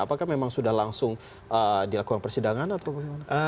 apakah memang sudah langsung dilakukan persidangan atau bagaimana